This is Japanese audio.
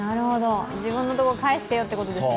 自分の所、返してよってことですね。